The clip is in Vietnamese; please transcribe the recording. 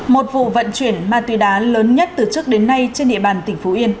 một vụ vận chuyển ma túy đá lớn nhất từ trước đến nay trên địa bàn tỉnh phú yên